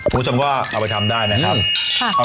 รู้จังว่าเอาไปทำได้นะครับ